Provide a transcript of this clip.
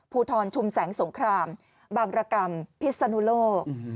ภูทรชุมแสงสงครามบางรกรรมพิศนุโลก